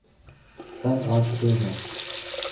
تنگ آچکے ہیں